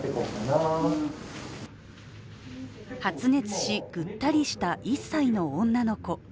発熱し、ぐったりした１歳の女の子。